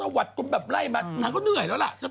เขาเป็นกลั้งนางฟ้าเขาช่วยเหลือกันและกัน